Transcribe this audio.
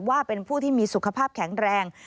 ว่าเป็นผู้ที่มีสุขภาพแข็งแรง